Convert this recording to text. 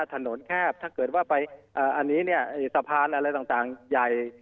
ถนนแคบถ้าเกิดว่าไปสะพานอะไรต่างใหญ่